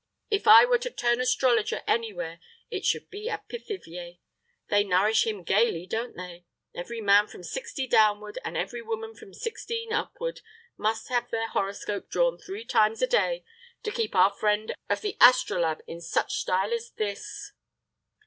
if I were to turn astrologer any where, it should be at Pithiviers. They nourish him gayly, don't they? Every man from sixty downward, and every woman from sixteen upward, must have their horoscope drawn three times a day, to keep our friend of the astrolabe in such style as this?"